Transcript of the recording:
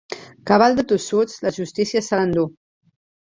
Cabal de tossuts, la justícia se l'enduu.